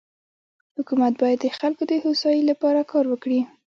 حکومت بايد د خلکو دهوسايي لپاره کار وکړي.